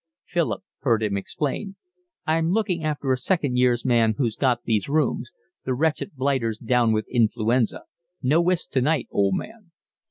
Philip heard him explain. "I'm looking after a second year's man who's got these rooms. The wretched blighter's down with influenza. No whist tonight, old man."